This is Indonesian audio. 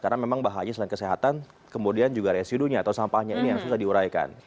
karena memang bahannya selain kesehatan kemudian juga residunya atau sampahnya ini yang susah diuraikan